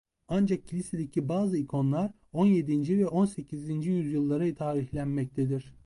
Ancak kilisedeki bazı ikonalar on yedinci ve on sekizinci yüzyıllara tarihlenmektedir.